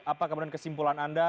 apa kemudian kesimpulan anda